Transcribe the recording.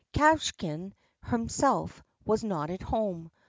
Kvashin himself was not at home.